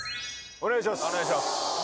お願いします。